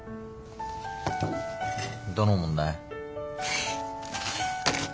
どの問題？